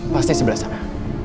pasti sebelah sana